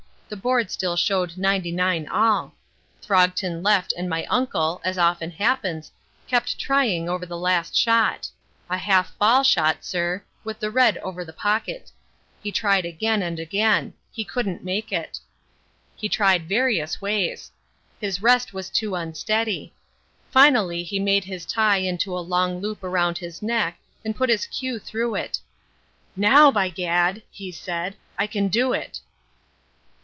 The board still showed ninety nine all. Throgton left and my uncle, as often happens, kept trying over the last shot a half ball shot, sir, with the red over the pocket. He tried again and again. He couldn't make it. He tried various ways. His rest was too unsteady. Finally he made his tie into a long loop round his neck and put his cue through it. 'Now, by gad!' he said, 'I can do it.'"